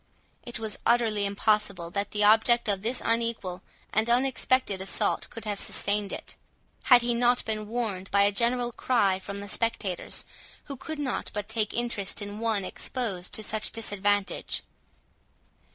It was utterly impossible that the object of this unequal and unexpected assault could have sustained it, had he not been warned by a general cry from the spectators, who could not but take interest in one exposed to such disadvantage.